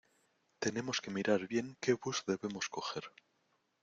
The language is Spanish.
Tenemos que mirar bien qué bus debemos coger.